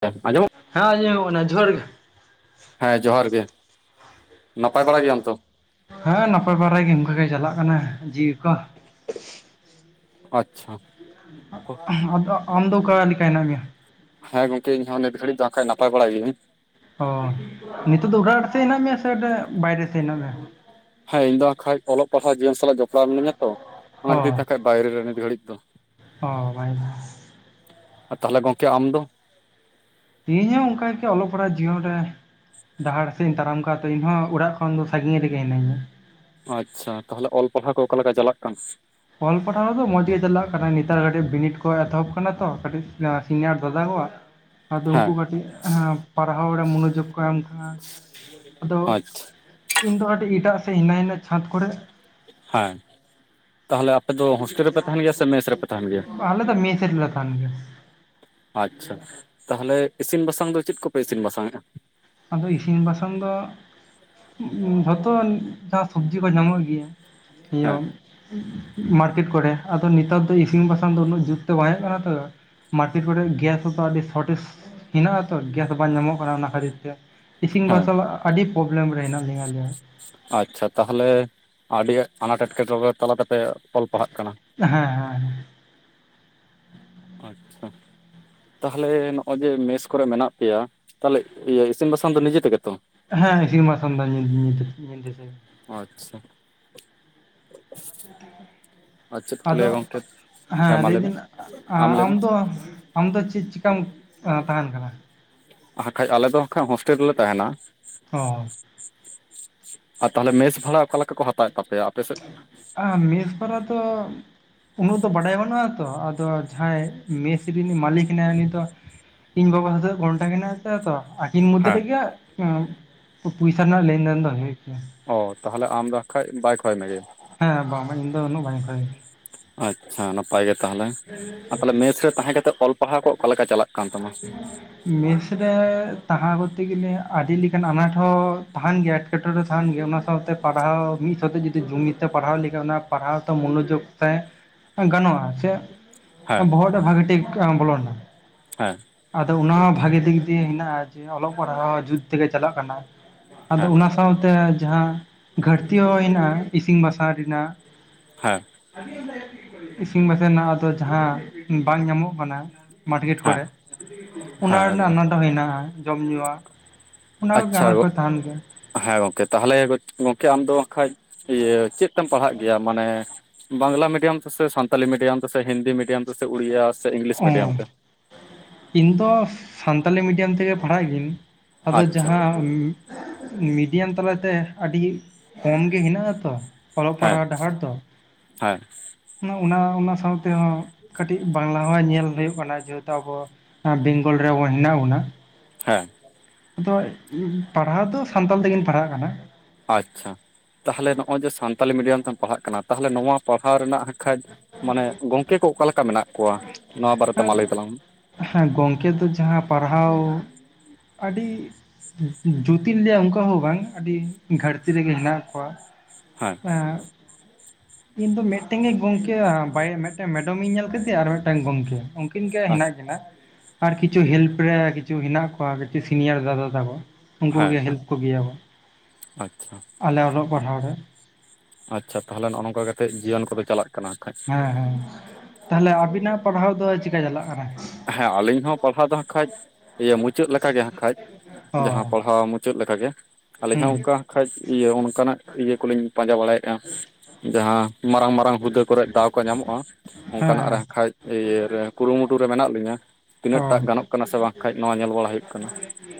ᱟᱸᱡᱚᱢᱚᱜ ᱦᱮᱸ ᱟᱡᱚᱢᱚᱜ ᱠᱟᱱᱟ ᱡᱚᱦᱟᱨ ᱜᱮ ᱦᱮᱸ ᱡᱚᱦᱟᱨ ᱜᱮ᱾ ᱱᱟᱯᱟᱭ ᱵᱟᱲᱟ ᱜᱮᱭᱟᱢ ᱛᱚ? ᱦᱮᱸ ᱱᱟᱯᱟᱭ ᱵᱟᱲᱟ ᱜᱤᱭᱤᱧ ᱵᱷᱟᱜᱮ ᱫᱟᱞᱟᱜ ᱪᱟᱞᱟᱜ ᱠᱟᱱᱟ ᱡᱤᱣᱤ ᱠᱚ ᱟᱪᱷᱟ ᱚᱸᱜ ᱟᱫ ᱟᱢ ᱫᱚ ᱚᱠᱟ ᱞᱤᱠᱟ ᱦᱮᱱᱟ ᱢᱮᱭᱟ? ᱦᱮᱸ ᱜᱚᱝᱠᱮ ᱤᱧᱫᱚ ᱱᱮᱛ ᱜᱷᱟᱹᱲᱤᱡᱽ ᱫᱚ ᱟᱠᱷᱟᱡ ᱱᱟᱯᱟᱭ ᱵᱟᱲᱟ ᱜᱤᱭᱟ. ᱭᱤᱝ ᱚ ᱱᱤᱛᱚᱜ ᱫᱚ ᱚᱲᱟᱜ ᱥᱮᱫ ᱦᱮᱱᱟᱜ ᱦᱮᱸ ᱤᱧ ᱫᱚ ᱟᱠᱷᱟᱡ ᱚᱞᱚᱜ ᱯᱟᱲᱦᱟᱜ ᱡᱤᱭᱚᱱ ᱥᱟᱞᱟᱜ ᱡᱚᱯᱲᱟᱣ ᱢᱤᱱᱟᱧᱟ ᱛᱚ ᱚᱱᱟ ᱠᱷᱟ. ᱛᱤᱨ ᱛᱚᱠᱷᱟᱡ ᱵᱟᱭᱨᱮ ᱨᱮ ᱱᱤᱛ ᱜᱷᱟᱹᱲᱤᱡ ᱫᱚ ᱚᱸ [inaudible] ᱛᱟᱦᱞᱮ ᱜᱚᱝᱠᱮ ᱟᱢ ᱫᱚ? ᱤᱧ ᱦᱚᱸ ᱚᱱᱠᱟ ᱜᱮ ᱚᱞᱚᱜ ᱯᱟᱲᱦᱟᱜ ᱡᱤᱭᱚᱱ ᱨᱮ ᱰᱟᱦᱟᱨ ᱥᱮᱜ ᱤᱧ ᱛᱟᱲᱟᱢ ᱠᱟᱜᱼᱟ ᱛᱚ ᱤᱧᱦᱚᱸ ᱚᱲᱟᱜ ᱠᱷᱚᱱ ᱫᱚ ᱥᱟᱺᱜᱤᱧ ᱨᱮᱜᱮ ᱦᱤᱱᱟᱹᱧᱟ ᱚ ᱟᱪᱷᱟ ᱛᱟᱦᱚᱞᱮ ᱚᱞ ᱯᱟᱲᱦᱟᱣ ᱠᱚ ᱚᱠᱟ ᱞᱮᱠᱟ ᱪᱟᱞᱟᱜ ᱠᱟᱱᱟ? ᱚᱞ ᱯᱟᱲᱦᱟᱣ ᱫᱚ ᱢᱚᱸᱡᱽ ᱜᱮ ᱪᱟᱞᱟᱜ ᱠᱟᱱᱟ ᱱᱮᱛᱟᱨ ᱠᱟᱹᱴᱤᱡ ᱵᱤᱱᱤᱰ ᱠᱚ ᱮᱛᱚᱦᱚᱵ ᱟᱠᱟᱱᱟ ᱛᱚ ᱠᱟᱹᱴᱤᱡ ᱥᱤᱱᱤᱭᱟᱨ ᱫᱟᱫᱟ ᱠᱚᱣᱟᱜ ᱟᱫᱚ ᱩᱱᱠᱩ ᱦᱮᱸ ᱠᱟᱹᱴᱤᱡ ᱯᱟᱲᱦᱟᱣ ᱨᱮ ᱢᱚᱱᱚᱡᱳᱜᱽ ᱠᱚ ᱮᱢ ᱠᱷᱟᱱ ᱟᱫᱚ ᱟᱪᱪᱷᱟ ᱤᱧ ᱫᱚ ᱟᱹᱰᱤ ᱮᱴᱟᱜ ᱥᱮ ᱦᱤᱱᱟᱹᱭᱟᱱᱟᱝ ᱪᱷᱟᱛ ᱠᱚᱨᱮ [unintelligible] ᱛᱟᱦᱚᱞᱮ ᱟᱯᱮ ᱫᱚ ᱦᱳᱥᱴᱮᱞ ᱨᱮᱯᱮ ᱛᱟᱦᱮᱸᱱ ᱜᱮᱭᱟ ᱥᱮ ᱢᱮᱥ ᱨᱮᱯᱮ ᱛᱟᱦᱮᱸᱱ ᱜᱮᱭᱟ ᱟᱞᱮ ᱫᱚ ᱢᱮᱥ ᱨᱮᱞᱮ ᱛᱟᱦᱮᱱ ᱜᱮᱭᱟ ᱟᱪᱷᱟ ᱛᱟᱦᱞᱮ ᱤᱥᱤᱱ ᱵᱟᱥᱟᱝ ᱫᱚ ᱪᱮᱫ ᱠᱚᱯᱮ ᱤᱥᱤᱱ ᱵᱟᱥᱟᱝᱮᱫᱜᱼᱟ? ᱟᱫᱚ ᱤᱥᱤᱝ ᱵᱟᱥᱟᱝᱟ ᱫᱚ ᱡᱷᱚᱛᱚ ᱥᱟᱜᱽ ᱥᱚᱵᱽᱡᱤ ᱠᱚ ᱧᱟᱢᱚᱜ ᱜᱮᱭᱟᱹ᱾ ᱦᱮ ᱦᱮᱸ [unintelligible] ᱢᱟᱨᱠᱮᱴ ᱠᱚᱨᱮ ᱟᱫᱚ ᱱᱮᱛᱟᱨ ᱫᱚ ᱤᱥᱤᱱ ᱵᱟᱥᱟᱝ ᱫᱚ ᱩᱱᱟᱹᱜ ᱡᱩᱛ ᱫᱚ ᱵᱟᱝ ᱦᱩᱭᱩᱜ ᱠᱟᱱᱟ ᱛᱚ ᱢᱟᱨᱠᱮᱴ ᱠᱚᱨᱮ ᱜᱮᱥ ᱟᱹᱰᱤ ᱥᱚᱴᱷᱤᱠ ᱦᱮᱱᱟᱜ ᱟᱹᱛᱚ ᱜᱮᱥ ᱵᱟᱝ ᱧᱟᱢᱚᱜ ᱠᱟᱱᱟ ᱚᱱᱟ ᱠᱷᱟᱹᱛᱤᱨ ᱤᱥᱤᱱ ᱦᱮᱸ ᱵᱟᱥᱟᱝ ᱟᱹᱰᱤ ᱯᱨᱚᱵᱞᱮᱢ ᱨᱮ ᱦᱮᱱᱟᱜ ᱞᱤᱧᱟ ᱟᱞᱤᱧ ᱟᱪᱷᱟ ᱛᱟᱦᱚᱞᱮ ᱟᱹᱰᱤ ᱟᱱᱟᱴ ᱮᱴᱠᱮᱴᱚᱬᱮ ᱛᱟᱞᱟᱛᱮ ᱯᱮ ᱚᱞ ᱯᱟᱲᱦᱟᱜ ᱠᱟᱱᱟ᱾ ᱦᱮᱸ ᱦᱮᱸ ᱟᱪᱷᱟ ᱛᱟᱦᱚᱞᱮ ᱱᱚᱜᱼᱚᱭ ᱡᱮ ᱢᱮᱥ ᱠᱚᱨᱮ ᱢᱮᱱᱟᱜ ᱯᱮᱭᱟ ᱛᱟᱦᱚᱞᱮ ᱤᱥᱤᱱ ᱵᱟᱥᱟᱝ ᱫᱚ ᱱᱤᱡᱮ ᱛᱮᱜᱮ ᱛᱚ ᱦᱮᱸ ᱤᱥᱤᱱ ᱵᱟᱥᱟᱝ ᱫᱚ ᱧᱩᱛ [unintelligible] ᱟᱪᱷᱟ ᱾ ᱟᱫᱚ ᱦᱮᱸ ᱢᱟ ᱞᱟᱹᱭ ᱢᱮ ᱞᱟᱭᱵᱮᱱ ᱟᱢ ᱞᱟᱹᱭ ᱢᱮ ᱟᱢᱫᱚ ᱟᱢ ᱫᱚ ᱪᱮᱫᱽ ᱪᱤᱠᱟᱢ ᱛᱟᱦᱮᱸᱱ ᱠᱟᱱᱟ [unintelligible] ᱟᱞᱮ ᱫᱚ ᱠᱷᱟ ᱦᱳᱥᱴᱮᱞ ᱨᱮᱞᱮ ᱛᱟᱦᱮᱱᱟ ᱚᱻ ᱟᱨ ᱛᱟᱦᱚᱞᱮ ᱢᱮᱥ ᱵᱷᱟᱲᱟ ᱚᱠᱟ ᱞᱮᱠᱟ ᱠᱚ ᱦᱟᱛᱟᱣᱮᱫ ᱛᱟᱯᱮᱭᱟ ᱟᱯᱮ ᱥᱮᱫ? ᱟ ᱢᱮᱥ ᱯᱟᱞᱟ ᱛᱚ ᱩᱱᱟᱹᱜ ᱫᱚ ᱵᱟᱰᱟᱭ ᱵᱟᱹᱱᱩᱜ ᱟᱛᱚ ᱟᱫᱚ ᱡᱟᱦᱟᱸᱭ ᱢᱮᱥ ᱨᱤᱱᱤ ᱢᱟᱹᱞᱤᱠ ᱦᱮᱱᱟᱭᱟ᱾ ᱩᱱᱤ ᱫᱚ ᱤᱧ ᱵᱟᱵᱟ ᱦᱟᱜ ᱫᱚ ᱜᱷᱚᱱᱴᱟ ᱠᱟᱱᱟ ᱦᱮᱸᱛᱚ ᱟᱠᱤᱱ ᱢᱚᱫᱽᱫᱷᱮ ᱦᱮᱸ ᱨᱮᱜᱮᱦᱟᱸᱜ ᱯᱚᱭᱥᱟ ᱨᱮᱱᱟᱜ ᱞᱮᱱᱫᱮᱱ ᱫᱚ ᱦᱩᱭᱩᱜ ᱛᱮ ᱚᱻ ᱛᱟᱦᱚᱞᱮ ᱟᱢ ᱫᱚ ᱠᱷᱟᱡ ᱵᱟᱭᱤᱠ ᱦᱮᱸ ᱵᱟᱝ ᱵᱟᱝ ᱤᱧ ᱫᱚ ᱩᱱᱟᱹᱜ ᱵᱟᱝ ᱚᱝᱠᱟᱭᱟᱹᱧ ᱟᱡ ᱦᱮᱸ ᱱᱟᱯᱟᱭ ᱜᱮ ᱛᱟᱦᱞᱮ ᱟᱨ ᱛᱟᱦᱞᱮ ᱢᱮᱥ ᱨᱮ ᱛᱟᱦᱮᱸ ᱠᱟᱛᱮᱜ ᱚᱞ ᱯᱟᱲᱦᱟᱣ ᱠᱚ ᱚᱠᱟᱞᱮᱠᱟ ᱪᱟᱞᱟᱜ ᱠᱟᱱ ᱛᱟᱢᱟ ᱢᱮᱥ ᱨᱮ ᱛᱟᱦᱮᱸ ᱠᱚᱨᱛᱮ ᱜᱮᱞᱮ ᱟᱹᱰᱤ ᱞᱮᱠᱟᱱ ᱟᱱᱟᱴ ᱦᱚᱸ ᱛᱟᱦᱮᱱ ᱜᱮᱭᱟ ᱮᱴᱠᱮᱴᱚᱬᱮ ᱛᱟᱦᱮᱱ ᱜᱮᱭᱟ ᱚᱱᱟ ᱥᱟᱶᱛᱮ ᱯᱟᱲᱦᱟᱣ ᱢᱤᱫ ᱥᱟᱶᱛᱮ ᱡᱩᱫᱤ ᱡᱩᱢᱤᱫ ᱛᱮ ᱯᱟᱲᱦᱟᱣ ᱞᱮᱠᱷᱟᱱ ᱚᱱᱟ ᱯᱟᱲᱦᱟᱣ ᱫᱚ ᱢᱚᱱᱳᱡᱳᱜᱽ ᱛᱮ ᱜᱟᱱᱚᱜᱼᱟ ᱥᱮ ᱦᱮᱸ ᱵᱚᱦᱚᱜ ᱨᱮ ᱵᱷᱟᱜᱤ ᱴᱷᱤᱠ ᱵᱚᱞᱚᱱᱟ ᱦᱮᱸ ᱟᱫᱚ ᱚᱱᱟᱦᱚᱸ ᱵᱷᱟᱜᱤ ᱫᱤᱠ ᱫᱤᱭᱮ ᱦᱮᱱᱟᱜᱼᱟ ᱡᱮ ᱚᱞᱚᱜ ᱯᱟᱲᱦᱟᱣ ᱡᱩᱛ ᱛᱮᱜᱮ ᱪᱟᱞᱟᱜ ᱠᱟᱱᱟ ᱟᱫᱚ ᱦᱮᱸ ᱚᱱᱟ ᱥᱟᱶᱛᱮ ᱡᱟᱦᱟᱸ ᱜᱷᱟᱹᱴᱛᱤ ᱦᱚᱸ ᱦᱮᱱᱟᱜᱼᱟ ᱤᱥᱤᱱ ᱵᱟᱥᱟᱝ ᱨᱮᱱᱟᱜ ᱦᱮᱸ ᱤᱥᱤᱱ ᱵᱟᱥᱟᱝ ᱱᱟᱦᱟᱜ ᱟᱫᱚ ᱡᱟᱦᱟᱸ ᱵᱟᱝ ᱧᱟᱢᱚᱜ ᱠᱟᱱᱟ ᱢᱟᱨᱠᱮᱴ ᱦᱮᱸ ᱠᱚᱨᱮ ᱚᱱᱟ ᱦᱮᱸ ᱨᱮᱱᱟᱜ ᱮᱠᱫᱚᱢ ᱟᱱᱟᱴ ᱦᱮᱱᱟᱜᱼᱟ ᱡᱚᱢ ᱧᱩᱣᱟᱜ ᱚᱱᱟ ᱠᱚᱜᱮ ᱟᱪᱪᱷᱟ ᱟᱱᱟᱴ ᱜᱚᱜ ᱠᱚ ᱛᱟᱦᱮᱱ ᱜᱮᱭᱟ ᱦᱮᱸ ᱜᱚᱢᱠᱮ ᱛᱟᱦᱚᱞᱮ ᱜᱚᱝᱠᱮ ᱟᱢ ᱫᱚ ᱦᱟᱸᱜ ᱠᱷᱟᱡ ᱤᱭᱟᱹ ᱪᱮᱫ ᱛᱮᱢ ᱯᱟᱲᱦᱟᱜ ᱜᱮᱭᱟ ᱢᱟᱱᱮ ᱵᱟᱝᱞᱟ ᱢᱤᱰᱤᱭᱟᱢ ᱛᱮᱥᱮ ᱥᱟᱱᱛ ᱥᱟᱱᱛᱟᱞᱤ ᱢᱤᱰᱤᱭᱟᱢ ᱛᱮ ᱥᱮ ᱦᱤᱱᱫᱤ ᱢᱤᱰᱤᱭᱟᱢ ᱛᱮ ᱥᱮ ᱩᱲᱤᱭᱟ ᱥᱮ ᱤᱝᱞᱤᱥ ᱚ ᱢᱤᱰᱤᱭᱟᱢ ᱛᱮ ᱤᱧ ᱫᱚ ᱥᱟᱱᱛᱟᱞᱤ ᱢᱤᱰᱤᱭᱟᱢ ᱛᱮᱜᱮ ᱯᱟᱲᱦᱟᱜ ᱜᱤᱭᱟᱹᱧ, ᱟᱫᱚ ᱟᱪᱪᱷᱟ ᱡᱟᱦᱟᱸ ᱢᱤᱰᱤᱭᱟᱢ ᱛᱟᱞᱟᱛᱮ ᱟᱹᱰᱤ ᱜᱤ ᱠᱚᱢ ᱜᱮ ᱦᱮᱱᱟᱜ-ᱟ ᱛᱚ ᱚᱞᱚᱜ ᱦᱮᱸ ᱯᱟᱲᱦᱟᱣ ᱰᱟᱦᱟᱨ ᱫᱚ ᱦᱮᱸ ᱚᱱᱟ ᱚᱱᱟ ᱚᱱᱟ ᱥᱟᱶᱛᱮᱦᱚᱸ ᱠᱟᱹᱴᱤᱡ ᱵᱟᱝᱞᱟ ᱦᱚᱸ ᱧᱮᱞ ᱦᱩᱭᱩᱜ ᱠᱟᱱᱟ ᱡᱮᱦᱮᱛᱩ ᱟᱵᱚ ᱵᱮᱝᱜᱚᱞ ᱨᱮ ᱟᱵᱚ ᱦᱮᱱᱟᱜ ᱵᱚᱱᱟ ᱦᱮᱸ ᱛᱚᱜ ᱯᱟᱲᱦᱟᱣ ᱫᱚ ᱥᱟᱱᱛᱟᱞ ᱛᱮᱜᱮᱢ ᱯᱟᱲᱦᱟᱜ ᱠᱟᱱᱟ ᱟᱪᱷᱟ ᱛᱟᱦᱞᱮ ᱱᱚᱜ-ᱚᱭ ᱡᱮ ᱥᱟᱱᱛᱟᱞᱤ ᱢᱤᱰᱤᱭᱟᱢ ᱛᱮᱢ ᱯᱟᱲᱦᱟᱜ ᱠᱟᱱᱟ ᱛᱟᱦᱚᱞᱮ ᱱᱚᱣᱟ ᱯᱟᱲᱦᱟᱣ ᱨᱮᱱᱟᱜ ᱠᱷᱟᱡ ᱢᱟᱱᱮ ᱜᱚᱝᱠᱮ ᱠᱚ ᱚᱠᱟ ᱞᱮᱠᱟ ᱢᱮᱱᱟᱜ ᱠᱚᱣᱟ, ᱱᱚᱣᱟ ᱵᱟᱨᱮᱛᱮ ᱟᱨ ᱢᱟ ᱞᱟᱹᱭ ᱛᱟᱞᱟᱝ ᱢᱮ ᱦᱮᱸ ᱜᱚᱝᱠᱮ ᱫᱚ ᱡᱟᱦᱟᱸ ᱯᱟᱲᱦᱟᱣ ᱟᱹᱰᱤ ᱡᱩᱛᱤᱧ ᱞᱟᱹᱭᱟ ᱚᱱᱠᱟ ᱦᱚᱸ ᱵᱟᱝ ᱟᱹᱰᱤ ᱜᱷᱟᱴᱛᱤ ᱨᱮᱜᱮ ᱦᱮᱱᱟᱜ ᱠᱚᱣᱟ ᱦᱮᱸ ᱮᱸ ᱤᱧ ᱫᱚ ᱢᱤᱫᱴᱮᱱ ᱜᱮ ᱜᱚᱝᱠᱮ ᱵᱟᱭᱟ ᱢᱮᱫᱴᱮ ᱢᱮᱰᱚᱢᱤᱧ ᱧᱮᱞ ᱠᱟᱫᱮᱭᱟ ᱟᱨ ᱢᱤᱫᱴᱟᱝ ᱜᱚᱢᱠᱮ ᱩᱱᱠᱤᱱ ᱜᱮ ᱦᱮᱱᱟᱜ ᱟᱪᱪᱷᱟ ᱠᱤᱱᱟ ᱟᱨ ᱠᱤᱪᱷᱩ ᱦᱮᱞᱯ ᱨᱮ ᱠᱤᱪᱷᱩ ᱦᱮᱱᱟᱜ ᱠᱚᱣᱟ ᱠᱟᱹᱴᱤᱡ ᱥᱤᱱᱤᱭᱟᱨ ᱫᱟᱫᱟ ᱛᱟᱠᱚ ᱦᱮᱸ ᱩᱱᱠᱩᱜᱮ ᱦᱮᱸ ᱦᱮᱞᱯ ᱠᱚᱜᱮᱭᱟᱵᱚᱱ ᱟᱪᱪᱷᱟ ᱟᱞᱮ ᱚᱞᱚᱜ ᱯᱟᱲᱦᱟᱣ ᱨᱮ ᱟᱪᱪᱷᱟ ᱛᱟᱦᱞᱮ ᱱᱚᱜ-ᱚ ᱱᱚᱝᱠᱟ ᱠᱟᱛᱮᱜ ᱡᱤᱭᱚᱱ ᱠᱚᱫᱚ ᱪᱟᱞᱟᱜ ᱠᱟᱱᱟ ᱠᱷᱟᱡ ᱦᱮᱸ ᱦᱮᱸ ᱛᱟᱦᱞᱮ ᱟᱵᱤᱱᱟᱜ ᱯᱟᱲᱦᱟᱣ ᱫᱚ ᱪᱮᱠᱟ ᱪᱟᱞᱟᱜ ᱠᱟᱱᱟ ᱦᱮᱸ ᱟᱞᱤᱧ ᱦᱚᱸ ᱯᱟᱲᱦᱟᱣ ᱫᱚ ᱦᱟᱸᱜ ᱠᱷᱟᱡ ᱤᱭᱟᱹ ᱢᱩᱪᱟᱹᱫ ᱞᱮᱠᱟ ᱜᱮ ᱦᱟᱸᱜ ᱠᱷᱟᱡ ᱡᱟᱦᱟᱸ ᱚ ᱯᱟᱲᱦᱟᱣ ᱪᱮᱫ ᱞᱮᱠᱟᱜᱮ ᱟᱹᱞᱤᱧ ᱦᱩᱸ ᱦᱚᱸ ᱦᱮᱸ ᱚᱝᱠᱟ ᱠᱷᱟᱡ ᱤᱭᱟᱹ ᱚᱱᱠᱟᱱᱟᱜ ᱤᱭᱟᱹ ᱠᱚᱞᱤᱧ ᱯᱟᱸᱡᱟ ᱵᱟᱲᱟᱭᱮᱫᱼᱟ ᱡᱟᱦᱟᱸ ᱢᱟᱨᱟᱝ ᱢᱟᱨᱟᱝ ᱟᱝ ᱦᱩᱫᱟᱹ ᱠᱚᱨᱮ ᱫᱟᱣ ᱠᱚ ᱧᱟᱢᱚᱜᱼᱟ ᱚᱱᱠᱟᱱᱟᱜ ᱨᱮ ᱦᱮᱸ ᱠᱷᱟᱡ ᱤᱭᱟᱹ ᱨᱮ ᱠᱩᱨᱩᱢᱩᱴᱩ ᱨᱮ ᱢᱮᱱᱟᱜ ᱞᱤᱧᱟᱹ ᱛᱤᱱᱟᱹᱜ ᱚ ᱴᱟᱜ ᱜᱟᱱᱚᱜ ᱠᱟᱱᱟ ᱥᱮ ᱵᱟᱝ ᱠᱷᱟᱡ ᱱᱚᱣᱟ ᱧᱮᱞ ᱵᱟᱲᱟ ᱦᱩᱭᱩᱜ ᱠᱟᱱᱟ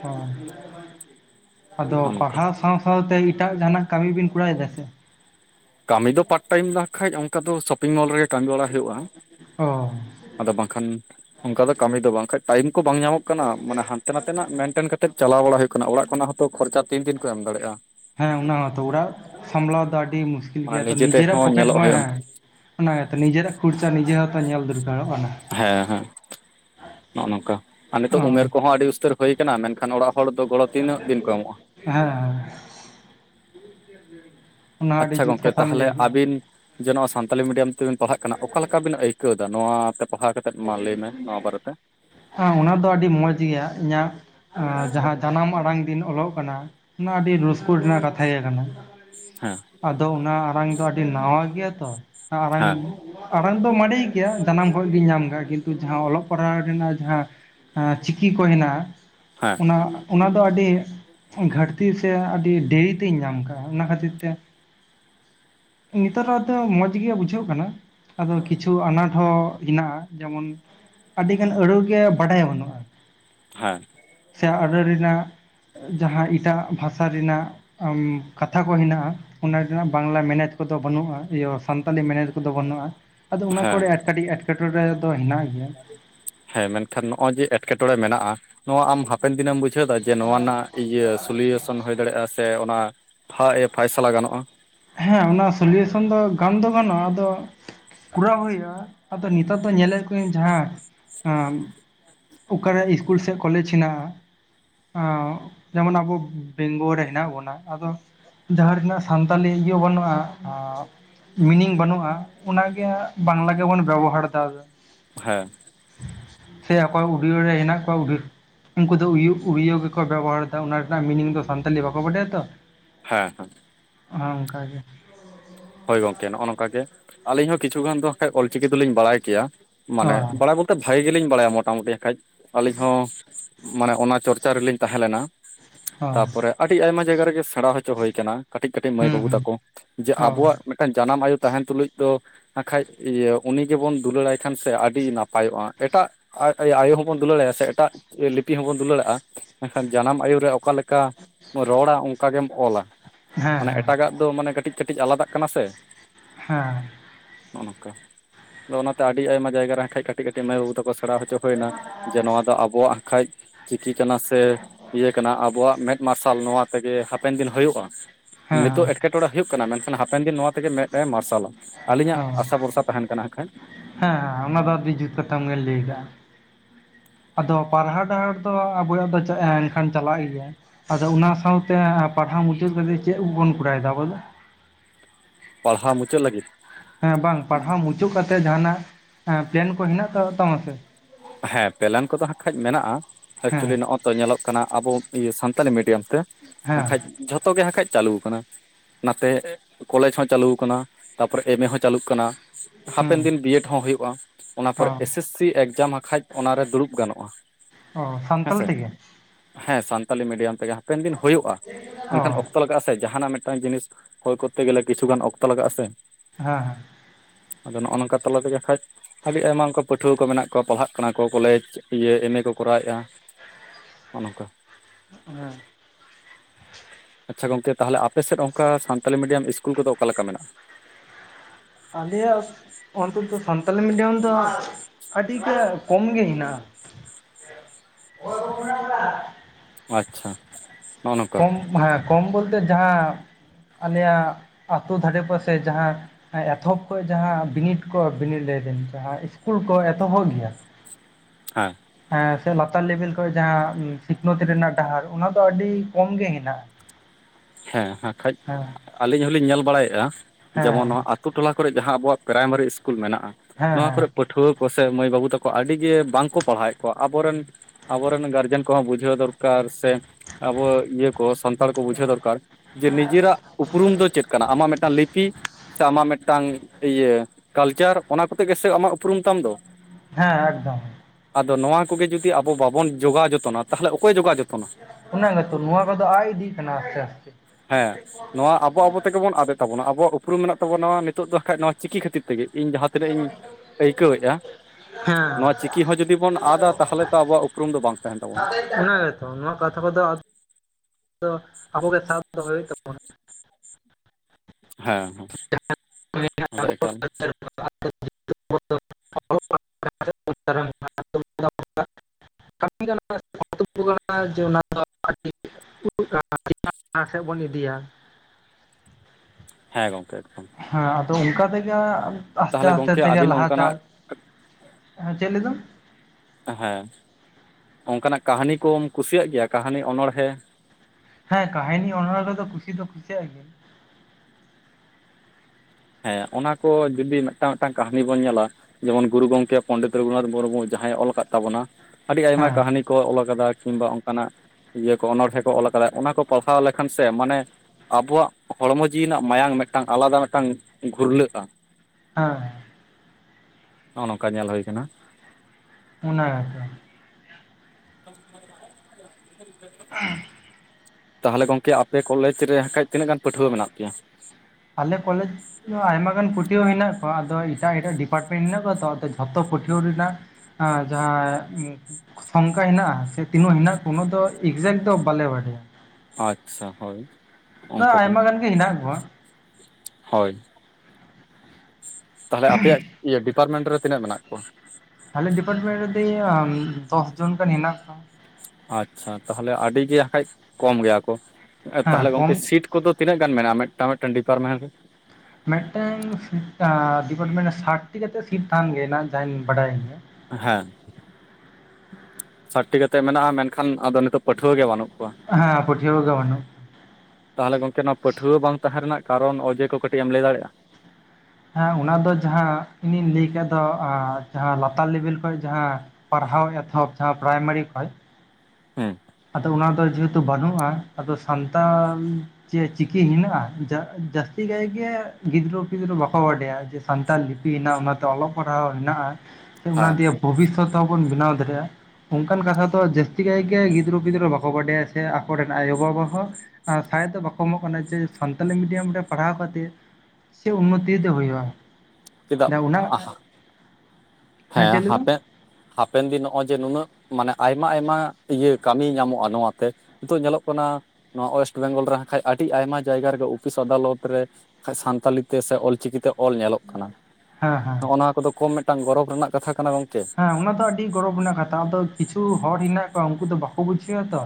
ᱚ ᱟᱫᱚ ᱱᱚᱜᱼᱚ ᱱᱚᱝᱠᱟ ᱯᱟᱲᱦᱟᱣ ᱥᱟᱶ ᱚ ᱛᱮᱦᱮᱧ ᱮᱴᱟᱜ ᱡᱟᱦᱟᱱᱟᱜ ᱠᱟᱹᱢᱤ ᱵᱤᱱ ᱠᱚᱨᱟᱣᱮᱫᱟ ᱥᱮ ᱠᱟᱹᱢᱤ ᱫᱚ ᱯᱟᱴ ᱴᱟᱭᱤᱢ ᱢᱮᱱᱟᱜ ᱠᱷᱟᱭᱡ ᱚᱱᱠᱟ ᱫᱚ ᱥᱚᱯᱤᱝ ᱢᱚᱞ ᱨᱮᱜᱮ ᱠᱟᱹᱢᱤ ᱵᱟᱲᱟ ᱦᱩᱭᱩᱜᱼᱟ ᱚ ᱟᱫᱚ ᱵᱟᱝᱠᱷᱟᱱ ᱚᱝᱠᱟ ᱫᱚ ᱠᱟᱹᱢᱤ ᱫᱚ ᱵᱟᱝᱠᱷᱟᱡ ᱴᱟᱭᱤᱢ ᱠᱚ ᱵᱟᱝ ᱧᱟᱢᱚᱜ ᱠᱟᱱᱟ ᱢᱟᱱᱮ ᱴᱟᱤᱢ ᱠᱚ ᱵᱟᱝ ᱧᱟᱢᱚᱜᱟ ᱠᱟᱱᱟ ᱢᱟᱱᱮ ᱦᱟᱱᱛᱮ ᱱᱷᱟᱛᱮᱱᱟᱜ ᱢᱮᱱᱴᱮᱱ ᱠᱟᱛᱮ ᱪᱟᱞᱟᱣ ᱵᱟᱲᱟ ᱦᱩᱭᱩᱜ ᱠᱟᱱᱟ ᱚᱲᱟᱜ ᱠᱷᱚᱱᱟᱜ ᱦᱚᱸ ᱛᱚ ᱠᱷᱚᱨᱪᱟ ᱛᱤᱱ ᱫᱤᱱ ᱠᱚ ᱮᱢ ᱫᱟᱲᱮᱭᱟᱜᱼᱟ ᱦᱮᱸ ᱚᱱᱟ ᱦᱚᱸᱛᱚ ᱚᱲᱟᱜ ᱥᱟᱢᱵᱞᱟᱣ ᱫᱚ ᱟᱹᱰᱤ ᱢᱩᱥᱠᱤᱞ ᱚᱱᱟ ᱜᱮᱭᱟ ᱛᱚ ᱱᱤᱡᱮ ᱱᱤᱡᱮᱨᱟᱜ ᱛᱮᱦᱚᱸ ᱯᱚᱠᱮᱴ ᱧᱮᱞᱚᱜ ᱢᱟ ᱦᱩᱭᱩᱜᱼᱟ ᱦᱮᱸ ᱚᱱᱟ ᱜᱮᱛᱚ ᱱᱤᱡᱮᱨᱟᱜ ᱠᱷᱚᱨᱪᱟ ᱱᱤᱡᱮ ᱦᱚᱸᱛᱚ ᱧᱮᱞ ᱫᱚᱨᱠᱟᱨᱚᱜᱼᱟ ᱦᱮᱸ ᱦᱮᱸ ᱱᱚᱜ-ᱚ ᱱᱚᱝᱠᱟ ᱟᱨ ᱚ ᱱᱤᱛᱚᱜ ᱩᱢᱮᱨ ᱠᱚᱦᱚᱸ ᱟᱹᱰᱤ ᱩᱥᱛᱟᱹᱨ ᱦᱭᱟ ᱟᱠᱟᱱᱟ ᱢᱮᱱᱠᱷᱟᱱ ᱚᱲᱟᱜ ᱦᱚᱲ ᱫᱚ ᱜᱚᱲᱚ ᱛᱤᱱᱟᱹᱜ ᱫᱤᱱ ᱠᱚ ᱮᱢᱚᱜᱼᱟ ᱦᱮᱸ ᱚᱱᱟ ᱟᱹᱰᱤ ᱟᱪᱪᱷᱟ ᱡᱩᱛ ᱜᱚᱝᱠᱮ ᱠᱟᱛᱷᱟᱢ ᱛᱟᱦᱞᱮ ᱞᱟᱹᱭ ᱠᱮᱜᱼᱟ ᱟᱹᱵᱤᱱ ᱡᱮ ᱱᱚᱣᱟ ᱥᱟᱱᱛᱟᱞᱤ ᱢᱤᱰᱤᱭᱟᱢ ᱛᱮᱵᱮᱱ ᱯᱟᱲᱦᱟᱜ ᱠᱟᱱᱟ ᱚᱠᱟ ᱞᱮᱠᱟ ᱵᱤᱱ ᱟᱹᱭᱠᱟᱹᱣᱫᱟ ᱱᱚᱣᱟᱛᱮ ᱯᱟᱲᱦᱟᱣ ᱠᱟᱛᱮᱫ ᱛᱮᱫ ᱢᱟ ᱞᱟᱹᱭ ᱢᱮ ᱱᱚᱣᱟ ᱵᱟᱨᱮᱛᱮ ᱦᱮᱸ ᱚᱱᱟ ᱫᱚ ᱟᱹᱰᱤ ᱢᱚᱸᱡᱽ ᱜᱮᱭᱟ ᱤᱧᱟᱹᱜ ᱮᱸᱻ ᱡᱟᱦᱟᱸ ᱡᱟᱱᱟᱢ ᱟᱲᱟᱝ ᱫᱤᱱ ᱚᱞᱚᱜ ᱠᱟᱱᱟ ᱚᱱᱟ ᱟᱹᱰᱤ ᱨᱟᱹᱥᱠᱟᱹ ᱨᱮᱱᱟᱜ ᱠᱟᱛᱷᱟ ᱜᱮ ᱠᱟᱱᱟ ᱦᱮᱸ ᱟᱫᱚ ᱚᱱᱟ ᱟᱲᱟᱝ ᱫᱚ ᱟᱹᱰᱤ ᱱᱟᱣᱟ ᱜᱮᱭᱟ ᱛᱚ, ᱚᱱᱟ ᱟᱲᱟᱝ ᱦᱮᱸ ᱟᱲᱟᱝ ᱫᱚ ᱢᱟᱰᱮᱭ ᱜᱮᱭᱟ ᱡᱟᱱᱟᱢ ᱠᱷᱚᱱ ᱜᱤᱧ ᱧᱟᱢ ᱦᱮᱸ ᱠᱤᱱᱛᱩ ᱡᱟᱦᱟᱸ ᱚᱞᱚᱜ ᱯᱟᱲᱦᱟᱣ ᱨᱮᱭᱟᱜ ᱡᱟᱦᱟᱸ ᱪᱤᱠᱤ ᱠᱚ ᱦᱮᱱᱟᱜᱼᱟ ᱦᱮᱸ ᱚᱱᱟ ᱚᱱᱟ ᱫᱚ ᱟᱹᱰᱤ ᱜᱷᱟᱴᱛᱤ ᱥᱮ ᱟᱹᱰᱤ ᱫᱮᱨᱤ ᱛᱤᱧ ᱧᱟᱢ ᱟᱠᱟᱜᱼᱟ ᱚᱱᱟ ᱠᱷᱟᱹᱛᱤᱨ ᱛᱮ ᱱᱤᱛᱚᱜ ᱫᱚ ᱟᱫᱚ ᱢᱚᱸᱡᱽ ᱜᱮ ᱵᱩᱡᱷᱟᱹᱣᱜ ᱠᱟᱱᱟ ᱟᱫᱚ ᱠᱤᱪᱷᱩ ᱟᱱᱟᱴ ᱦᱚᱸ ᱦᱮᱱᱟᱜᱼᱟ ᱡᱮᱢᱚᱱ ᱟᱹᱰᱤᱜᱟᱱ ᱟᱹᱲᱟᱹ ᱜᱮ ᱵᱟᱰᱟᱭ ᱵᱟᱹᱱᱩᱜᱼᱟ ᱦᱮᱸ ᱥᱮ ᱟᱲᱮ ᱨᱮᱱᱟᱜ ᱡᱟᱦᱟᱸ ᱮᱴᱟᱜ ᱵᱷᱟᱥᱟ ᱨᱮᱱᱟᱜ ᱟᱢ ᱠᱟᱛᱷᱟ ᱠᱚ ᱢᱮᱱᱟᱜᱼᱟ ᱚᱱᱟ ᱨᱮᱱᱟᱜ ᱵᱟᱝᱞᱟ ᱢᱮᱱᱮᱫ ᱠᱚᱫᱚ ᱵᱟᱹᱱᱩᱜᱼᱟ ᱤᱭᱟᱹ ᱥᱟᱱᱛᱟᱞᱤ ᱢᱮᱱᱮᱫ ᱠᱚᱫᱚ ᱵᱟᱹᱱᱩᱜᱼᱟ ᱟᱫᱚ ᱚᱱᱟ ᱦᱮᱸ ᱠᱚᱨᱮ ᱟᱨ ᱠᱟᱴᱤᱡ ᱮᱴᱠᱮᱴᱚᱬᱮ ᱫᱚ ᱦᱮᱱᱟᱜ ᱜᱮᱭᱟ ᱦᱮᱸ ᱢᱮᱱᱠᱷᱟᱱ ᱱᱚᱜᱼᱚᱭ ᱡᱮ ᱮᱴᱠᱮᱴᱚᱬᱮ ᱢᱮᱱᱟᱜᱼᱟ ᱱᱚᱣᱟ ᱟᱢ ᱦᱟᱯᱮᱱ ᱫᱤᱱᱮᱢ ᱵᱩᱡᱷᱟᱹᱣᱫᱟ ᱡᱮ ᱱᱚᱣᱟ ᱨᱮᱱᱟᱜ ᱤᱭᱟᱹ ᱥᱳᱞᱤᱭᱩᱭᱮᱥᱚᱱ ᱦᱩᱭ ᱫᱟᱲᱮᱭᱟᱜᱼᱟ ᱥᱮ ᱚᱱᱟ ᱯᱷᱟᱭ ᱯᱷᱟᱭᱥᱟᱞᱟ ᱜᱟᱱᱚᱜᱼᱟ ᱦᱮᱸ ᱚᱱᱟ ᱥᱚᱞᱤᱭᱩᱭᱮᱥᱚᱱ ᱫᱚ ᱜᱟᱱ ᱫᱚ ᱜᱟᱱᱚᱜᱼᱟ ᱟᱫᱚ ᱠᱚᱨᱟᱣ ᱦᱩᱭᱩᱜᱼᱟ ᱟᱫᱚ ᱱᱮᱛᱟᱨ ᱫᱚ ᱧᱮᱞᱮᱫ ᱠᱚ ᱡᱟᱦᱟᱸ ᱮᱸᱻ ᱚᱠᱟᱨᱮ ᱤᱥᱠᱩᱞ ᱥᱮ ᱠᱚᱞᱮᱡᱽ ᱦᱮᱱᱟᱜᱼᱟ ᱮᱸᱜᱻ ᱡᱮᱢᱚᱱ ᱟᱵᱚ ᱵᱮᱝᱜᱚᱞ ᱨᱮ ᱦᱮᱱᱟᱜ ᱵᱚᱱᱟ ᱟᱫᱚ ᱡᱟᱦᱟᱸ ᱨᱮᱱᱟᱜ ᱥᱟᱱ ᱥᱟᱱᱛᱟᱞᱤ ᱤᱭᱟᱹ ᱵᱟᱹᱱᱩᱜᱼᱟ ᱮᱸᱜ ᱢᱤᱱᱤᱝ ᱵᱟᱹᱱᱩᱜᱼᱟ ᱚᱱᱟᱜᱮ ᱵᱟᱝᱞᱟ ᱜᱮᱵᱚᱱ ᱵᱮᱵᱚᱦᱟᱨ ᱮᱫᱟ ᱟᱻ ᱦᱮᱸ ᱥᱮ ᱚᱠᱚᱭ ᱩᱰᱤᱭᱳ ᱨᱮ ᱦᱮᱱᱟᱜ ᱠᱚᱣᱟ ᱩᱰᱤᱴ ᱩᱱᱠᱩ ᱫᱚ ᱩᱭ ᱩᱲᱤᱭᱟᱹ ᱜᱮᱠᱚ ᱵᱮᱵᱚᱦᱟᱨᱮᱫᱟ ᱚᱱᱟ ᱨᱮᱱᱟᱜ ᱢᱤᱱᱤᱝ ᱫᱚ ᱥᱟᱱᱛᱟᱞᱤ ᱵᱟᱠᱚ ᱵᱟᱰᱟᱭᱟ ᱛᱚ ᱦᱮᱸ ᱦᱮᱸ ᱦᱚᱸ ᱚᱝᱠᱟ ᱜᱮ ᱦᱳᱭ ᱜᱚᱝᱠᱮ ᱱᱚᱜᱼᱚ ᱱᱚᱝᱠᱟ ᱜᱮ ᱟᱞᱤᱧ ᱦᱚᱸ ᱠᱤᱪᱷᱩ ᱜᱟᱱ ᱫᱚ ᱦᱟᱸᱜ ᱠᱷᱟᱡ ᱚᱞᱪᱤᱠᱤ ᱫᱚᱞᱤᱧ ᱵᱟᱲᱟᱭ ᱠᱮᱭᱟ ᱚ ᱢᱟᱱᱮ ᱵᱟᱲᱟᱭ ᱵᱚᱞ ᱛᱚ ᱵᱷᱟᱜᱤ ᱜᱮᱞᱤᱧ ᱵᱟᱲᱟᱭᱟ ᱢᱚᱴᱟᱢᱩᱴᱤ ᱦᱟᱸᱜ ᱠᱷᱟᱡ ᱟᱹᱞᱤᱧ ᱦᱚᱸ ᱢᱟᱱᱮ ᱚᱱᱟ ᱪᱚᱨᱪᱟ ᱨᱮᱞᱤᱧ ᱛᱟᱦᱮᱸ ᱞᱮᱱᱟ ᱚ ᱛᱟᱯᱚᱨᱮ ᱟᱹᱰᱤ ᱟᱭᱢᱟ ᱡᱟᱭᱜᱟ ᱨᱮᱜᱮ ᱥᱮᱬᱟ ᱦᱚᱪᱚ ᱦᱩᱭ ᱠᱟᱱᱟ ᱠᱟᱹᱴᱤᱡ ᱠᱟᱹᱴᱤᱡ ᱢᱟᱹᱭ ᱦᱩᱸ ᱵᱟᱹᱵᱩ ᱦᱩᱸ ᱛᱟᱠᱚ ᱡᱮ ᱚ ᱟᱵᱚᱣᱟᱜ ᱢᱤᱫᱴᱟᱱ ᱡᱟᱱᱟᱢ ᱟᱭᱳ ᱛᱟᱦᱮᱱ ᱛᱩᱞᱩᱡ ᱫᱚ ᱟᱠᱷᱟᱡ ᱤᱭᱟᱹ ᱩᱱᱤ ᱜᱮᱵᱚᱱ ᱫᱩᱞᱟᱹᱲᱟᱭ ᱠᱷᱟᱱ ᱥᱮ ᱟᱹᱰᱤ ᱱᱟᱯᱟᱭᱚᱜᱼᱟ ᱮᱴᱟᱜ ᱟᱭᱳ ᱦᱚᱵᱚᱱ ᱫᱩᱞᱟᱹᱲᱟᱭᱟ ᱥᱮ ᱮᱴᱟᱜ ᱞᱤᱯᱤ ᱦᱚᱸᱵᱚᱱ ᱫᱩᱞᱟᱹᱲᱟᱜᱼᱟ ᱮᱱᱠᱷᱟᱱ ᱡᱟᱱᱟᱢ ᱟᱭᱩ ᱨᱮ ᱚᱠᱟᱞᱮᱠᱟ ᱨᱚᱲᱟ ᱚᱱᱠᱟ ᱜᱮᱢ ᱚᱞᱟ ᱦᱮᱸ ᱢᱟᱱᱮ ᱦᱮᱸ ᱮᱴᱟᱜᱟᱜ ᱫᱚ ᱢᱟᱱᱮ ᱠᱟᱹᱴᱤᱡ ᱠᱟᱹᱴᱤᱡ ᱟᱞᱟᱫᱟᱜ ᱠᱟᱱᱟ ᱥᱮ ᱦᱮᱸ ᱱᱚᱜᱼᱚ ᱱᱚᱝᱠᱟ ᱟᱫᱚ ᱚᱱᱟᱛᱮ ᱟᱹᱰᱤ ᱟᱭᱢᱟ ᱡᱟᱭᱜᱟ ᱨᱮ ᱠᱷᱟᱱᱡ ᱠᱟᱹᱴᱤᱡ ᱠᱟᱹᱴᱤᱡ ᱮᱢᱟᱹᱭ ᱵᱟᱹᱵᱩ ᱛᱟᱠᱚ ᱥᱮ ᱟᱠᱲᱟᱣ ᱦᱚᱪᱚ ᱦᱩᱭᱱᱟ ᱡᱮ ᱱᱚᱣᱟ ᱫᱚ ᱟᱵᱚᱣᱟᱜ ᱦᱟᱸᱜ ᱠᱷᱟᱡ ᱪᱤᱠᱤ ᱠᱟᱱᱟ ᱥᱮ ᱤᱭᱟᱹ ᱠᱟᱱᱟ ᱟᱵᱚᱣᱟᱜ ᱢᱮᱫ ᱢᱟᱨᱥᱟᱞ ᱱᱚᱣᱟ ᱛᱮᱜᱮ ᱦᱟᱯᱮᱱ ᱫᱤᱱ ᱦᱩᱭᱩᱜᱼᱟ ᱦᱮᱸ ᱦᱮᱸ ᱱᱤᱛᱳᱜ ᱮᱴᱠᱮᱴᱚᱬᱮ ᱦᱩᱭᱩᱜ ᱠᱟᱱᱟ ᱢᱮᱱᱠᱷᱟᱱ ᱦᱟᱯᱮᱱ ᱫᱤᱱ ᱱᱚᱣᱟ ᱛᱮᱜᱮ ᱢᱮᱸᱫᱼᱮ ᱢᱟᱨᱥᱟᱞᱟ ᱟᱹᱞᱤᱧᱟᱜ ᱦᱮᱸ ᱟᱥᱟ ᱵᱷᱚᱨᱥᱟ ᱛᱟᱦᱮᱱ ᱠᱟᱱᱟ ᱟᱸᱠᱷᱟᱱ ᱦᱮᱸ ᱚᱱᱟ ᱫᱚ ᱟᱹᱰᱤ ᱡᱩᱛ ᱠᱟᱛᱷᱟ ᱵᱤᱱ ᱞᱟᱹᱭ ᱠᱟᱜ-ᱟ᱾ ᱟᱫᱚ ᱯᱟᱨᱦᱟᱴ ᱦᱟᱴ ᱫᱚ ᱟᱵᱚᱭᱟᱜ ᱫᱚ ᱮᱱᱠᱷᱟᱱ ᱪᱟᱞᱟᱜ ᱜᱮᱭᱟ᱾ ᱟᱫᱚ ᱚᱱᱟ ᱥᱟᱶᱛᱮ ᱯᱟᱲᱦᱟᱣ ᱢᱩᱪᱟᱹᱫ ᱠᱟᱛᱮ ᱪᱮᱫ ᱵᱚᱱ ᱠᱚᱨᱟᱣ ᱫᱟ ᱟᱵᱚ ᱫᱚ? ᱯᱟᱲᱦᱟᱣ ᱢᱩᱪᱟᱹᱫ ᱞᱟᱹᱜᱤᱫ ᱦᱮᱸ ᱵᱟᱝ ᱯᱟᱲᱦᱟᱣ ᱢᱩᱪᱟᱹᱫ ᱠᱟᱛᱮᱜ ᱡᱟᱦᱱᱟᱜ ᱯᱮᱞᱮᱱ ᱠᱚ ᱦᱮᱱᱟᱜ ᱟᱠᱟᱫ ᱛᱟᱢᱟ ᱥᱮ? ᱦᱮᱸ ᱯᱮᱞᱮᱱ ᱠᱚᱫᱚ ᱦᱟᱸᱜ ᱠᱷᱟᱱᱡ ᱢᱮᱱᱟᱜᱼᱟ, ᱦᱮᱸ ᱮᱠᱪᱩᱭᱮᱞᱤ ᱱᱚᱜᱼᱚᱭ ᱛᱚ ᱧᱮᱞᱚᱜ ᱠᱟᱱᱟ ᱟᱵᱚ ᱥᱟᱱᱛᱟᱞᱤ ᱢᱤᱰᱤᱭᱟᱢ ᱛᱮ ᱦᱮᱸ ᱵᱟᱠᱷᱟᱡ ᱡᱷᱚᱛᱚ ᱜᱮ ᱦᱟᱸᱠᱷᱟᱡ᱾ ᱪᱟᱹᱞᱩ ᱠᱟᱱᱟ, ᱚᱱᱟᱛᱮ ᱠᱚᱞᱮᱡᱽ ᱦᱚᱸ ᱪᱟᱹᱞᱩ ᱠᱟᱱᱟ, ᱛᱟᱨᱯᱚᱨᱮ ᱮᱢ ᱮ ᱦᱚᱸ ᱪᱟᱹᱞᱩᱜ ᱠᱟᱱᱟ᱾ ᱦᱟᱯᱮᱱ ᱦᱮᱸ ᱫᱤᱱ ᱵᱤᱭᱮᱰ ᱦᱚᱸ ᱦᱩᱭᱩᱜᱼᱟ, ᱚᱱᱟ ᱯᱚᱨᱮ ᱚ ᱮᱥᱮᱥᱥᱤ ᱮᱠᱡᱟᱢ ᱦᱟᱸᱠᱷᱟᱡ ᱚᱱᱟᱨᱮ ᱫᱩᱲᱩᱵ ᱜᱟᱱᱚᱜ-ᱟ ᱚ ᱥᱟᱱᱛᱟᱞ ᱦᱮᱸᱥᱮ, ᱛᱮᱜᱮ ᱦᱮᱸ ᱥᱟᱱᱛᱟᱞᱤ ᱢᱤᱰᱤᱭᱟᱢ ᱛᱮᱜᱮ ᱦᱟᱯᱮᱱ ᱫᱤᱱ ᱦᱩᱭᱩᱜᱼᱟ ᱚ ᱢᱮᱱᱠᱷᱟᱱ ᱚᱠ ᱚᱠᱛᱚ ᱞᱟᱜᱟᱜ-ᱟ ᱥᱮ ᱡᱟᱸᱦᱟᱱᱟᱜ ᱢᱤᱫᱴᱟᱝ ᱡᱤᱱᱤᱥ ᱠᱚᱭ ᱠᱚᱨᱛᱮ ᱜᱮᱞᱮ ᱠᱤᱪᱷᱩ ᱜᱟᱱ ᱚᱠᱛᱚ ᱞᱟᱜᱟᱜ-ᱟ ᱥᱮ᱾ ᱦᱮᱸ ᱦᱮᱸ᱾ ᱟᱫᱚ ᱱᱚᱜ-ᱚ ᱱᱚᱝᱠᱟ ᱛᱟᱞᱟ ᱛᱮ ᱡᱚᱠᱷᱚᱡ ᱟᱹᱰᱤ ᱟᱭᱢᱟ ᱠᱚ ᱯᱟᱹᱴᱷᱩᱣᱟᱹ ᱠᱚ ᱢᱮᱱᱟᱜ ᱠᱚᱣᱟ ᱯᱟᱲᱦᱟᱜ ᱟᱠᱚ ᱠᱚ ᱞᱮᱭᱮᱪᱽ ᱤᱭᱟᱹ ᱮᱢ ᱮ ᱠᱚ ᱠᱚᱨᱟᱣᱮᱫ-ᱟ ᱚᱱᱮ ᱚᱝᱠᱟ᱾ ᱦᱮᱸ᱾ ᱟᱪᱪᱷᱟ ᱜᱚᱝᱠᱮ ᱛᱟᱦᱚᱞᱮ ᱟᱯᱮᱥᱮᱫ ᱚᱱᱠᱟ ᱥᱟᱱᱛᱟᱞᱤ ᱢᱤᱰᱤᱭᱟᱢ ᱤᱥᱠᱩᱞ ᱠᱚᱫᱚ ᱚᱠᱟ ᱞᱮᱠᱟ ᱢᱮᱱᱟᱜ-ᱟ? ᱟᱞᱮᱭᱟᱜ ᱚᱱᱛᱚ ᱛᱚ ᱥᱟᱱᱛᱟᱞᱤ ᱢᱤᱰᱤᱭᱟᱢ ᱫᱚ, ᱟᱹᱰᱤᱜᱮ ᱠᱚᱢ ᱜᱮ ᱦᱮᱱᱟᱜᱼᱟ᱾ ᱟᱪᱪᱷᱟ᱾ ᱱᱚᱜᱼᱚ ᱱᱚᱝᱠᱟ ᱠᱚᱢ ᱦᱮᱸ ᱠᱚᱢ ᱵᱚᱞᱛᱮ ᱡᱟᱦᱟᱸ ᱟᱞᱮᱭᱟᱜ ᱟᱛᱳ ᱫᱷᱟᱨᱮ ᱯᱟᱥᱮ ᱡᱟᱦᱟᱸ ᱮ ᱮᱛᱚᱦᱚᱵ ᱠᱷᱚᱡ ᱡᱟᱦᱟᱸ ᱵᱤᱱᱤᱰ ᱠᱚ ᱵᱤᱱᱤᱰ ᱞᱟᱹᱭᱫᱟᱹᱧ ᱡᱟᱦᱟᱸ ᱤᱥᱠᱩᱞ ᱠᱚ ᱮᱛᱚᱦᱚᱵ ᱜᱮᱭᱟ᱾ [unintelligible] ᱦᱮᱸ᱾ ᱦᱮᱸ ᱥᱮ ᱞᱟᱛᱟᱨ ᱞᱮᱵᱮᱞ ᱠᱷᱚᱱᱚᱡ ᱡᱟᱸᱦᱟ ᱥᱤᱠᱷᱱᱟᱹᱛ ᱨᱮᱱᱟᱜ ᱰᱟᱦᱟᱨ ᱚᱱᱟ ᱫᱚ ᱟᱹᱰᱤ ᱠᱚᱢ ᱜᱮ ᱦᱮᱱᱟᱜᱼᱟ᱾ ᱦᱮᱸ ᱦᱮᱠᱷᱟᱡ ᱦᱮᱸ ᱟᱹᱞᱤᱧ ᱦᱚᱞᱤᱧ ᱧᱮᱞ ᱵᱟᱲᱟᱭᱮᱫ-ᱟ ᱦᱮᱸ ᱡᱮᱢᱚᱱ ᱱᱚᱣᱟ ᱟᱛᱳ ᱴᱚᱞᱟ ᱠᱚᱨᱮ ᱡᱟᱦᱟᱸ ᱟᱵᱚᱣᱟᱜ ᱯᱨᱟᱭᱢᱟᱨᱤ ᱤᱥᱠᱩᱞ ᱢᱮᱱᱟᱜ-ᱟ ᱦᱮᱸ ᱱᱚᱣᱟ ᱦᱮᱸ ᱠᱚᱨᱮ ᱯᱟᱹᱴ ᱯᱟᱹᱴᱷᱩᱣᱟᱹ ᱠᱚ ᱥᱮ ᱢᱟᱹᱭ ᱵᱟᱹᱵᱩ ᱛᱟᱠᱚ ᱟᱹᱰᱤ ᱜᱮ ᱵᱟᱝᱠᱚ ᱯᱟᱲᱦᱟᱣᱮᱫ ᱠᱚᱣᱟ, ᱟᱵᱚᱨᱮᱱ ᱟᱵᱚᱨᱮᱱ ᱜᱟᱨᱡᱮᱱ ᱠᱚᱦᱚᱸ ᱵᱩᱡᱷᱟᱹᱣ ᱫᱚᱨᱠᱟᱨ ᱥᱮ ᱟᱵᱚ ᱤᱭᱟᱹ ᱠᱚ ᱥᱟᱱᱛᱟᱲ ᱠᱚ ᱵᱩᱡᱷᱟᱹᱣ ᱫᱚᱨᱠᱟᱨ ᱡᱮ ᱱᱤᱡᱮᱨᱟᱜ ᱩᱯᱨᱩᱢ ᱫᱚ ᱪᱮᱫ ᱠᱟᱱᱟ ᱟᱢᱟᱜ ᱢᱤᱫᱴᱟᱝ ᱞᱤᱯᱤ ᱥᱮ ᱟᱢᱟᱜ ᱢᱤᱫᱴᱟᱝ ᱤᱭᱟᱹ ᱠᱟᱞᱪᱟᱨ ᱚᱱᱟ ᱠᱚᱛᱮ ᱜᱮᱥᱮ ᱟᱢᱟᱜ ᱩᱯᱨᱩᱢ ᱛᱟᱢ ᱫᱚ᱾ ᱦᱮᱸ ᱮᱠᱫᱚᱢ᱾ ᱟᱫᱚ ᱱᱚᱣᱟ ᱠᱚᱜᱮ ᱡᱩᱫᱤ ᱟᱵᱚ ᱵᱟᱵᱚᱱ ᱡᱚᱜᱟᱣ ᱡᱚᱛᱚᱱᱟ, ᱛᱟᱦᱚᱞᱮ ᱚᱠᱚᱭ ᱡᱚᱜᱟᱣ ᱡᱚᱛᱚᱱᱟ᱾ ᱩᱱᱟᱹᱜ ᱜᱮᱛᱚ ᱱᱚᱣᱟ ᱠᱚᱫᱚ ᱟᱭ ᱤᱫᱤᱜ ᱠᱟᱱᱟ ᱟᱥᱛᱮ ᱟᱥᱛᱮ᱾ ᱦᱮᱸ᱾ ᱱᱚᱣᱟ ᱟᱵᱚ ᱟᱵᱚ ᱛᱮᱜᱮᱵᱚᱱ, ᱟᱫᱮᱜ ᱛᱟᱵᱚᱱᱟ ᱟᱵᱚᱣᱟᱜ ᱩᱯᱨᱢ ᱢᱮᱱᱟᱜ ᱛᱟᱵᱚᱱᱟ ᱱᱤᱛᱚᱜ ᱫᱚ ᱵᱟᱠᱟᱡ ᱱᱚᱣᱟ ᱪᱤᱠᱤ ᱠᱷᱟᱹᱛᱤᱨ ᱛᱮᱜ, ᱤᱧ ᱡᱟᱸᱦᱟ [inaudible] ᱱᱚᱣᱟ ᱪᱤᱠᱤ ᱦᱚᱸ ᱡᱩᱚᱫᱤ ᱵᱚᱱ ᱟᱫᱟ ᱛᱟᱦᱚᱞᱮ ᱛᱚ ᱟᱵᱚᱣᱟᱜ ᱩᱯᱨᱩᱢ ᱫᱚ ᱵᱟᱝ ᱛᱟᱸᱦᱮᱱ ᱛᱟᱵᱚᱱᱟ᱾ ᱚᱱᱟ ᱜᱮᱛᱚ ᱱᱚᱣᱟ ᱠᱟᱛᱷᱟ ᱠᱚᱫᱚ [inaudible] ᱟᱵᱚᱜᱮ ᱥᱟᱵ ᱫᱚᱦᱚ ᱦᱳᱭᱳᱜ ᱛᱟᱵᱚᱱᱟ᱾ ᱦᱮᱸ [inaudible] [inaudible] ᱦᱮᱸ ᱟᱫᱚ ᱮᱠᱟᱞ ᱠᱟᱹᱢᱤ ᱠᱟᱱᱟ ᱡᱮ [unintelligible] ᱚᱱᱟ ᱫᱚ ᱩ [inaudible] ᱥᱮᱫ ᱵᱚᱱ ᱤᱫᱤᱭᱟ᱾ ᱦᱮᱸ ᱜᱚᱝᱠᱮ ᱦᱮᱰᱯᱷᱳᱱ ᱦᱮᱸ ᱟᱫᱚ ᱚᱱᱠᱟ ᱛᱮᱜᱮ ᱟᱥᱛᱮ ᱛᱟᱦᱚᱞᱮ ᱟᱥᱛᱮ ᱜᱚᱢᱠᱮ ᱛᱮᱜᱮ ᱟᱹᱵᱤᱱ ᱞᱟᱦᱟ ᱪᱟᱣ ᱚᱱᱠᱟᱱᱟᱜ ᱦᱮᱸ ᱪᱮᱫ ᱞᱟᱹᱭ ᱫᱟᱢ? ᱦᱮᱸ ᱚᱱᱠᱟᱱᱟᱜ ᱠᱟᱦᱟᱱᱤ ᱠᱚᱢ ᱠᱩᱥᱤᱭᱟᱜ ᱜᱮᱭᱟ ᱠᱟᱦᱟᱱᱤ ᱚᱱᱚᱬᱦᱮᱸ ᱦᱮᱸ ᱠᱟᱹᱦᱱᱤ ᱚᱱᱚᱞ ᱨᱮᱫᱚ ᱠᱩᱥᱤ ᱫᱚ ᱠᱩᱥᱤᱭᱟᱜ ᱜᱤᱭᱟᱹᱧ ᱦᱮᱸ ᱚᱱᱟ ᱠᱚ ᱡᱩᱫᱤ ᱢᱤᱫᱴᱟᱝ ᱢᱤᱫᱴᱟᱝ ᱠᱟᱹᱦᱱᱤ ᱵᱚᱱ ᱧᱮᱞᱟ ᱡᱮᱢᱚᱱ ᱜᱩᱨᱩ ᱜᱚᱝᱠᱮ ᱯᱚᱱᱰᱤᱛ ᱨᱚᱜᱷᱩᱱᱟᱛᱷ ᱢᱩᱨᱢᱩ ᱡᱟᱦᱟᱸᱭ ᱮ ᱚᱞ ᱠᱟᱫ ᱛᱟᱵᱚᱱᱟ ᱟᱹᱰᱤ ᱟᱭᱢᱟ ᱦᱮᱸ ᱠᱟᱹᱦᱱᱤ ᱠᱚ ᱚᱞ ᱠᱟᱫᱟ ᱠᱤᱝᱵᱟ ᱚᱝᱠᱟᱱᱟᱜ ᱤᱭᱟᱹ ᱠᱚ ᱚᱱᱚᱬᱦᱮᱸ ᱠᱚ ᱚᱞ ᱠᱟᱫᱟ ᱚᱱᱟ ᱠᱚ ᱯᱟᱲᱦᱟᱣ ᱞᱮᱠᱷᱟᱱ ᱥᱮ ᱢᱟᱱᱮ ᱟᱵᱚᱣᱟᱜ ᱦᱚᱲᱢᱚ ᱡᱤᱣᱤ ᱨᱮᱱᱟᱜ ᱢᱟᱭᱟᱝ ᱢᱤᱫᱴᱟᱝ ᱟᱞᱟᱫᱟ ᱢᱤᱫᱴᱟᱝ ᱜᱷᱩᱨᱞᱟᱹᱜᱼᱟ ᱦᱮᱸ ᱱᱚᱜᱼᱚ ᱱᱚᱝᱠᱟ ᱧᱮᱞ ᱦᱩᱭ ᱠᱟᱱᱟ ᱚᱱᱟ ᱛᱮ [inaudible] [inaudible] ᱛᱟᱦᱞᱮ ᱜᱚᱝᱠᱮ ᱟᱯᱮ ᱠᱚᱞᱮᱡᱽ ᱨᱮ ᱠᱷᱟᱡ ᱛᱤᱱᱟᱹᱜ ᱜᱟᱱ ᱯᱟᱹᱴᱷᱩᱣᱟᱹ ᱢᱮᱱᱟᱜ ᱯᱮᱭᱟ ᱟᱞᱮ ᱠᱚᱞᱮᱡᱽ ᱟᱭᱢᱟ ᱜᱟᱱ ᱯᱟᱹᱴᱷᱩᱹᱣᱟᱹ ᱦᱮᱱᱟᱜ ᱠᱚᱣᱟ ᱟᱫᱚ ᱮᱴᱟᱜ ᱮᱴᱟᱜ ᱰᱤᱯᱟᱨᱴᱢᱮᱱᱴ ᱦᱮᱱᱟᱜ ᱠᱚᱣᱟ ᱛᱚ ᱟᱫᱚ ᱡᱷᱚᱛᱚ ᱯᱟᱹᱴᱷᱩᱣᱟᱹ ᱨᱮᱱᱟᱜ ᱦᱮᱸ ᱡᱟᱦᱟᱸ ᱚᱝᱠᱟ ᱦᱮᱱᱟᱜᱼᱟ ᱥᱮ ᱛᱤᱱᱟᱹᱜ ᱢᱮᱱᱟᱜᱼᱟ ᱠᱚᱣᱟ ᱩᱱᱟᱹᱜ ᱫᱚ ᱮᱠᱡᱟᱠᱴ ᱫᱚ ᱵᱟᱞᱮ ᱵᱟᱰᱟᱭᱟ ᱟᱪᱪᱷᱟ ᱦᱳᱭ ᱛᱚ ᱟᱭᱢᱟ ᱜᱟᱱ ᱜᱮ ᱦᱮᱱᱟᱜ ᱠᱚᱣᱟ ᱦᱳᱭ ᱛᱟᱞᱦᱮ ᱟᱯᱮᱭᱟᱜ ᱤᱭᱟᱹ ᱰᱤᱯᱟᱨᱢᱮᱱᱴ ᱨᱮ ᱛᱤᱱᱟᱹᱜ ᱢᱮᱱᱟᱜ ᱠᱚᱣᱟ ᱟᱞᱮ ᱰᱤᱯᱟᱨᱴᱢᱮᱱᱴ ᱨᱮᱫᱚ ᱦᱩᱭᱩᱜᱼᱟ ᱫᱚᱥ ᱡᱚᱱ ᱜᱟᱱ ᱦᱮᱱᱟᱜ ᱠᱚᱣᱟ ᱟᱪᱪᱷᱟ ᱛᱟᱦᱚᱞᱮ ᱟᱹᱰᱤ ᱜᱮ ᱠᱷᱟᱡ ᱠᱚᱢ ᱜᱮᱭᱟ ᱠᱚ ᱛᱟᱦᱚᱞᱮ ᱦᱮᱸ ᱠᱚᱢ ᱜᱚᱝᱠᱮ ᱥᱤᱴ ᱠᱚᱫᱚ ᱛᱤᱱᱟᱹᱜ ᱜᱟᱱ ᱢᱮᱱᱟᱜᱼᱟ ᱢᱮᱫᱴᱟᱝ ᱢᱮᱫᱴᱟᱝ ᱰᱤᱯᱟᱨᱴᱢᱮᱱᱴ ᱨᱮ ᱢᱤᱫᱴᱮᱱᱴ ᱰᱤᱯᱟᱨᱴᱢᱮᱱᱴ ᱥᱟᱴ ᱴᱤ ᱠᱟᱛᱮᱫ ᱥᱤᱴ ᱛᱟᱸᱦᱮᱱ ᱜᱮᱭᱟ ᱱᱟᱜ ᱡᱟᱦᱟᱧ ᱵᱟᱰᱟᱭ ᱦᱮᱸ ᱥᱟᱴᱴᱤ ᱠᱟᱛᱮ ᱢᱮᱱᱟᱜᱼᱟ ᱢᱮᱱ ᱠᱷᱟᱱ ᱟᱫᱚ ᱱᱤᱛᱚᱜ ᱯᱟᱹᱴᱷᱩᱣᱟᱹ ᱜᱮ ᱵᱟᱹᱱᱩᱜ ᱠᱚᱣᱟ ᱦᱮᱸ ᱯᱟᱴᱷᱩᱣᱟᱹ ᱠᱚᱜᱮ ᱵᱟᱹᱱᱩᱜ ᱛᱟᱦᱞᱮ ᱜᱚᱝᱠᱮ ᱚᱱᱟ ᱯᱟᱹᱴᱷᱩᱣᱟᱹ ᱵᱟᱝ ᱛᱟᱦᱮᱸ ᱨᱮᱱᱟᱜ ᱠᱟᱨᱚᱱ ᱚᱡᱮ ᱠᱚ ᱠᱟᱹᱴᱤᱡ ᱮᱢ ᱞᱟᱹᱭ ᱫᱟᱲᱮᱭᱟᱜᱼᱟ ᱦᱮᱸ ᱚᱱᱟ ᱫᱚ ᱡᱟᱦᱟᱸ ᱤᱧᱤᱧ ᱞᱟᱹᱭ ᱠᱮᱫ ᱫᱚ ᱮᱸᱻ ᱡᱟᱦᱟᱸ ᱞᱟᱛᱟᱨ ᱞᱮᱵᱮᱞ ᱠᱷᱚᱡ ᱡᱟᱦᱟᱸ ᱯᱟᱲᱦᱟᱣ ᱮᱛᱚᱦᱚᱵ ᱡᱟᱦᱟᱸ ᱯᱨᱟᱭᱢᱟᱨᱤ ᱠᱷᱚᱡ ᱦᱮᱸ ᱟᱫᱚ ᱚᱱᱟᱫᱚ ᱡᱮᱦᱮᱛᱩ ᱵᱟᱹᱱᱩᱜᱼᱟ ᱟᱫᱚ ᱥᱟᱱᱛᱟᱞ ᱡᱮ ᱪᱤᱠᱤ ᱦᱮᱱᱟᱜᱼᱟ ᱡᱟᱜ ᱡᱟᱹᱥᱛᱤ ᱠᱟᱭ ᱜᱮ ᱜᱤᱫᱽᱨᱟᱹ ᱯᱤᱫᱽᱨᱟᱹ ᱵᱟᱠᱚ ᱵᱟᱰᱟᱭᱟ ᱡᱮ ᱥᱟᱱᱛᱟᱞ ᱞᱤᱯᱤ ᱦᱮᱱᱟᱜᱼᱟ ᱚᱱᱟ ᱛᱮ ᱚᱞᱚᱜ ᱯᱟᱲᱦᱟᱣ ᱦᱮᱱᱟᱜᱼᱟ ᱚᱱᱟ ᱦᱮᱸ ᱫᱤᱭᱮ ᱵᱷᱚᱵᱤᱥᱥᱚᱛ ᱦᱚᱸᱵᱚᱱ ᱵᱮᱱᱟᱣ ᱫᱟᱲᱮᱭᱟᱜᱼᱟ ᱚᱱᱠᱟᱱ ᱠᱟᱛᱷᱟ ᱫᱚ ᱡᱟᱹᱥᱛᱤ ᱠᱟᱭ ᱜᱮ ᱜᱤᱫᱽᱨᱟᱹ ᱜᱤᱫᱽᱨᱟᱹ ᱵᱟᱠᱚ ᱵᱟᱰᱟᱭᱟ ᱥᱮ ᱟᱠᱚ ᱨᱮᱱ ᱟᱭᱚ ᱵᱟᱵᱟ ᱦᱚᱸ ᱥᱟᱭ ᱫᱚ ᱵᱟᱠᱚ ᱮᱢᱚᱜ ᱠᱟᱱᱟ ᱡᱮ ᱥᱟᱱᱛᱟᱞᱤ ᱢᱤᱰᱤᱭᱟᱢ ᱨᱮ ᱯᱟᱲᱦᱟᱣ ᱠᱟᱛᱮᱫ ᱪᱮᱫ ᱩᱱᱱᱚᱛᱤ ᱫᱚ ᱦᱩᱭᱩᱜᱼᱟ ᱪᱮᱫᱟᱜ ᱚᱱᱟ ᱟᱦᱟ ᱦᱮᱸ ᱪᱮᱫ ᱞᱟᱹᱭᱫᱟᱢ ᱦᱟᱯᱮ ᱦᱟᱯᱮᱱ ᱫᱤᱱ ᱱᱚᱜᱼᱚᱭ ᱡᱮ ᱱᱩᱱᱟᱹᱜ ᱢᱟᱱᱮ ᱟᱭᱢᱟ ᱟᱭᱢᱟ ᱤᱭᱟᱹ ᱠᱟᱹᱢᱤ ᱧᱟᱢᱚᱜᱼᱟ ᱱᱚᱣᱟ ᱛᱮ ᱱᱤᱛᱚᱜ ᱧᱮᱞᱚᱜ ᱠᱟᱱᱟ ᱱᱚᱣᱟ ᱳᱭᱮᱥᱴ ᱵᱮᱝᱜᱚᱞ ᱨᱮᱠᱷᱟᱡ ᱟᱹᱰᱤ ᱟᱭᱢᱟ ᱡᱟᱭᱜᱟ ᱨᱮᱜᱮ ᱚᱯᱷᱤᱥ ᱟᱫᱟᱞᱚᱛ ᱨᱮ ᱥᱟᱱᱛᱟᱞᱤ ᱛᱮ ᱥᱮ ᱚᱞᱪᱤᱠᱤ ᱛᱮ ᱚᱞ ᱧᱮᱞᱚᱜ ᱠᱟᱱᱟ᱾ ᱦᱮᱸ ᱦᱮᱸ ᱦᱚᱸᱜᱼᱚ ᱱᱟᱜ ᱠᱚᱫᱚ ᱠᱚᱢ ᱢᱤᱫᱴᱟᱝ ᱜᱚᱨᱚᱵᱽ ᱨᱮᱱᱟᱜ ᱠᱟᱛᱷᱟ ᱠᱟᱱᱟ ᱜᱚᱝᱠᱮ? ᱦᱮᱸ ᱚᱱᱟ ᱫᱚ ᱟᱹᱰᱤ ᱜᱚᱨᱚᱵᱽ ᱨᱮᱱᱟᱜ ᱠᱟᱛᱷᱟ ᱟᱫᱚ ᱠᱤᱪᱷᱩ ᱦᱚᱲ ᱦᱮᱱᱟᱜ ᱠᱚᱣᱟ ᱩᱱᱠᱩ ᱫᱚ ᱵᱟᱠᱚ ᱵᱩᱡᱷᱟᱹᱣᱟ ᱛᱚ